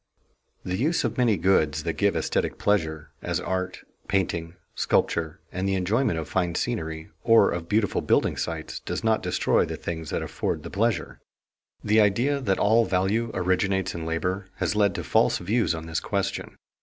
The use of many goods that give esthetic pleasures, as art, painting, sculpture, and the enjoyment of fine scenery or of beautiful building sites, does not destroy the things that afford the pleasure. The idea that all value originates in labor has led to false views on this question.